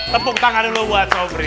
tepung tangan dulu buat sobri